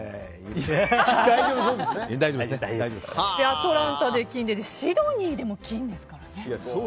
アトランタで金でシドニーでも金ですからね。